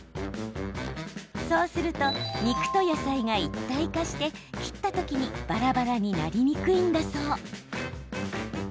そうすると肉と野菜が一体化して切った時にばらばらになりにくいんだそう。